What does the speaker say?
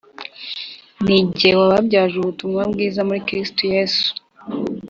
Ni jye wababyaje Ubutumwa Bwiza muri Kristo Yesu